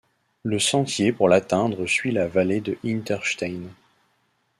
Le sentier pour l'atteindre suit la vallée de Hinterstein.